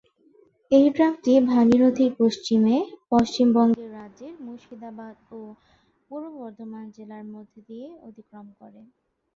এই ট্র্যাকটি ভাগীরথীর পশ্চিমে পশ্চিমবঙ্গ রাজ্যের মুর্শিদাবাদ ও পূর্ব বর্ধমান জেলার মধ্যে দিয়ে অতিক্রম করে।